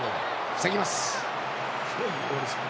防ぎます。